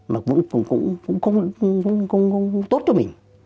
mà cũng không tốt cho mình